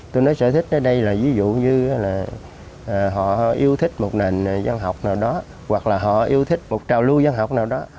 tôi nói sở thích ở đây là ví dụ như là họ yêu thích một nền văn học nào đó hoặc là họ yêu thích một trào lưu văn học nào đó